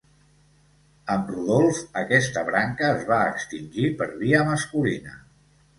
Amb Rodolf aquesta branca es va extingir per via masculina.